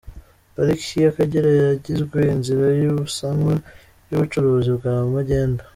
Pariki y’Akagera yagizwe inzira y’ubusamo y’ubucuruzi bwa magendu